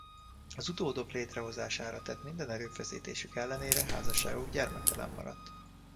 Az utódok létrehozására tett minden erőfeszítésük ellenére házasságuk gyermektelen maradt.